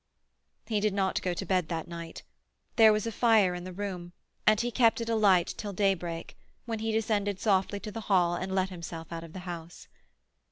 He did not go to bed that night. There was a fire in the room, and he kept it alight until daybreak, when he descended softly to the hall and let himself out of the house.